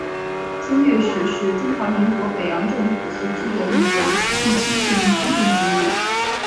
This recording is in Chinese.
经略使是中华民国北洋政府时期的一种地区性军政职务。